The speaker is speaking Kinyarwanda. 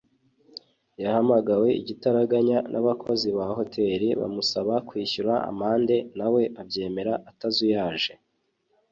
yahamagawe igitaraganya n’abakozi ba hoteli bamusaba kwishyura amande na we abyemera atazuyaje